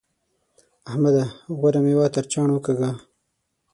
احمده! غوره مېوه تر چاڼ وکاږه.